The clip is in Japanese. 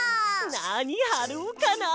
なにはろうかな。